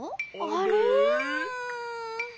あれ？